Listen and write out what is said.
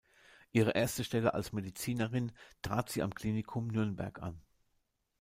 Ihre erste Stelle als Medizinerin trat sie am Klinikum Nürnberg an.